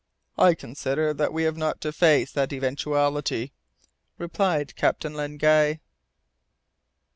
"I consider that we have not to face that eventuality," replied Captain Len Guy.